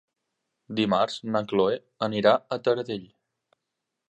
Dimarts na Chloé anirà a Taradell.